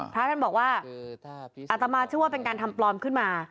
พระท่านบอกว่าอาตมาชื่อว่าเป็นการทำปลอมขึ้นมา